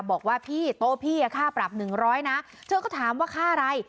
บอกว่าพี่โต๊ะพี่ค่าปรับ๑๐๐นะเธอก็ถามว่าค่าอะไร